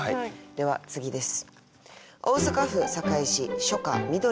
では次です。